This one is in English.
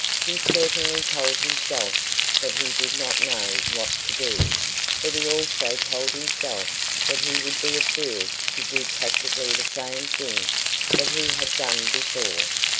He certainly told himself that he did not know what to do, but he also told himself that he would be a fool to do practically the same thing that he had done before.